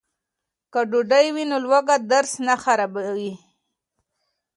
که ډوډۍ وي نو لوږه درس نه خرابوي.